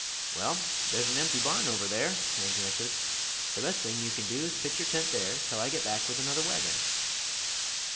"Well, there's an empty barn over there," Hank answered. "The best thing you can do is pitch your tent there till I get back with another wagon."